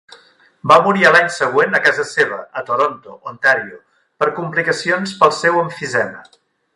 Va morir a l'any següent a casa seva, a Toronto, Ontario, per complicacions pel seu emfisema.